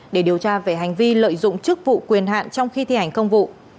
để điều tra về hành vi lợi dụng chức vụ quyền hạn trong khi thi hành công vụ